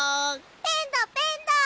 ペンだペンだ！